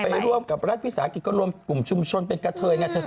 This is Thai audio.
ร่วมกับรัฐวิสาหกิจก็รวมกลุ่มชุมชนเป็นกระเทยไงเธอ